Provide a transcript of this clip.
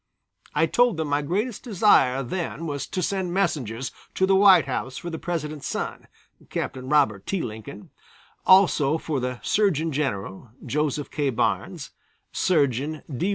I told them my greatest desire then was to send messengers to the White House for the President's son, Captain Robert T. Lincoln, also for the Surgeon General, Joseph K. Barnes, Surgeon D.